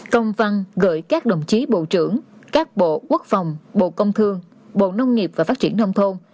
công văn gửi các đồng chí bộ trưởng các bộ quốc phòng bộ công thương bộ nông nghiệp và phát triển nông thôn